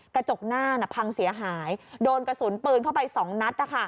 กระจกหน้าพังเสียหายโดนกระสุนปืนเข้าไป๒นัด